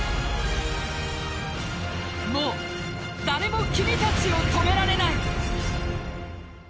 もう誰も君たちを止められない。